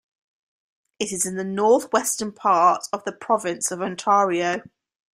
It is in the northwestern part of the province of Ontario.